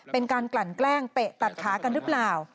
เป็นการกลั่นแกล้งเตะตัดขากันหรือเปล่า